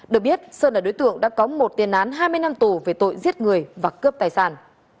được biết sơn là đối tượng đã có một tiền án hai mươi năm tù về tội giết người và cướp tài sản